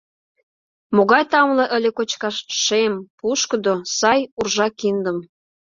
Могай тамле ыле кочкаш Шем, пушкыдо, сай уржа киндым!